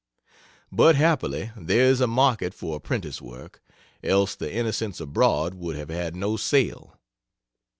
But happily there is a market for apprentice work, else the "Innocents Abroad" would have had no sale.